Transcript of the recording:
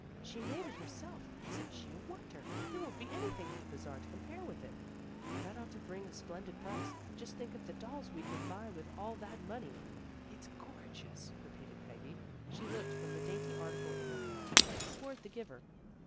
" She made it herself. Isn't she a wonder? There won't be anything at the Bazar to compare with it." " That ought to bring a splendid price. Just think of the dolls we can buy with all that money." " It's gorgeous," repeated Peggy. She looked from the dainty article in her hand toward the giver.